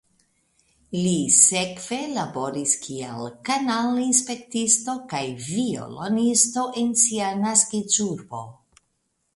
Li sekve laboris kiel kanalinspektisto kaj violonisto en sia naskiĝurbo.